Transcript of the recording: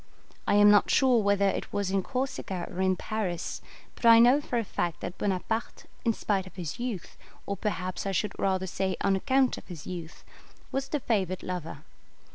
I am not sure whether it was in Corsica or in Paris, but I know for a fact that Bonaparte, in spite of his youth, or perhaps I should rather say on account of his youth, was the favoured lover.